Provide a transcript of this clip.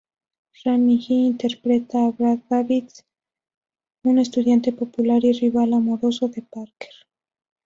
Remy Hii interpreta a Brad Davis, un estudiante popular y rival amoroso de Parker.